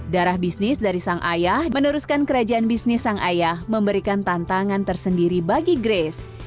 darah bisnis dari sang ayah meneruskan kerajaan bisnis sang ayah memberikan tantangan tersendiri bagi grace